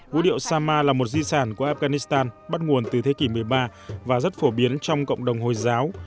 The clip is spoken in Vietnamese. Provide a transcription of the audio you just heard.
vũ điệu sama là một di sản của afghanistan bắt nguồn từ thế kỷ một mươi ba và rất phổ biến trong cộng đồng hồi giáo